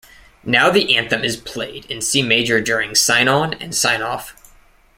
Now the anthem is played in C Major during sign-on and sign-off.